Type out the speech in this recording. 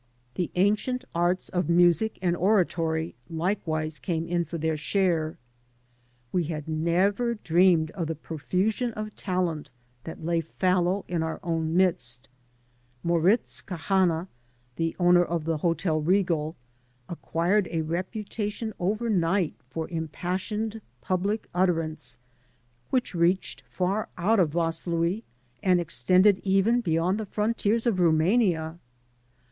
The ancient arts of music and oratory likewise came in for their share. We had never dreamed of the pro fusion of talent that lay fallow in our own midst. Moritz Cahana, the owner of the Hotel R^al, acquired a reputation overnight for impassioned public utterance which reached far out of Vaslui and extended even beyond the frontiers of Rumania.